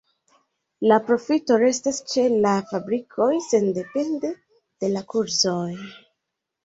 La profito restas ĉe la fabrikoj sendepende de la kurzoj.